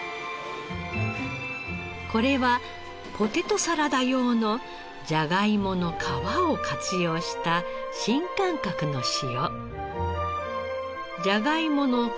これはポテトサラダ用のジャガイモの皮を活用した新感覚の塩。